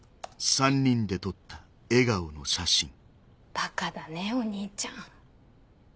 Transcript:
バカだねお兄ちゃん。